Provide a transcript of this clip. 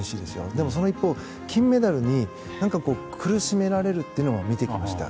でも、その一方で金メダルに苦しめられるというのが見えてきました。